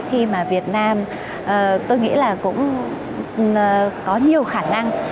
khi mà việt nam tôi nghĩ là cũng có nhiều khả năng